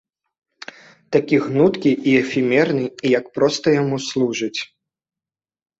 Такі гнуткі і эфемерны, і як проста яму служыць.